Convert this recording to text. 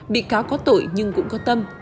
bị cáo có tội nhưng cũng có tâm